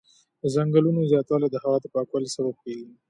د ځنګلونو زیاتوالی د هوا د پاکوالي سبب کېږي.